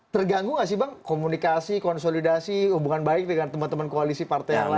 terganggu gak sih bang komunikasi konsolidasi hubungan baik dengan teman teman koalisi partai yang lain